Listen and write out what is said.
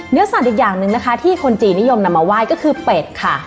เนื้อสัตว์อีกอย่างหนึ่งนะคะที่คนจีนนิยมนำมาไหว้ก็คือเป็ดค่ะ